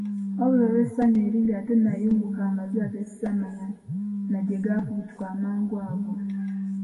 Wabula olw'essanyu eringi ate nayunguka amaziga ge ssaamanya na gye gaafubutuka amangu ago.